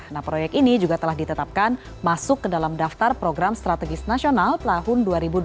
nah proyek ini juga telah ditetapkan masuk ke dalam daftar program strategis nasional tahun dua ribu dua puluh